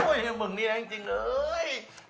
โอ้ยเห็นเหมือนนี้แล้วจริงเลย